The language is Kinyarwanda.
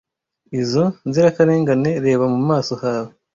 Iyo nzirakarengane reba mu maso hawe